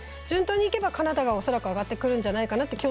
順当にいけば、カナダが恐らく上がってくるんじゃないかなと。